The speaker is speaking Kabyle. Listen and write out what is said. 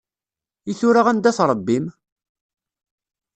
I tura anda-t Ṛebbi-m?